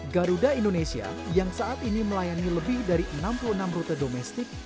garuda indonesia yang saat ini melayani lebih dari enam puluh enam rute domestik